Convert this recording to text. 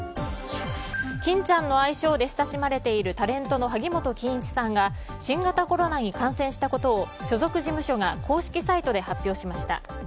欽ちゃんの愛称で親しまれているタレントの萩本欽一さんが新型コロナに感染したことを所属事務所が公式サイトで発表しました。